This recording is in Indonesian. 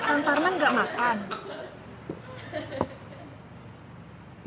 kang parman gak makan